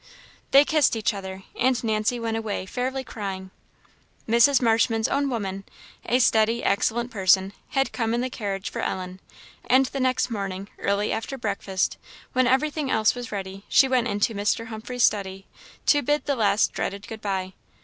They kissed each other, and Nancy went away fairly crying. Mrs. Marshman's own woman, a steady, excellent person, had come in the carriage for Ellen. And the next morning, early after breakfast, when everything else was ready, she went into Mr. Humphrey's study to bid the last dreaded good bye.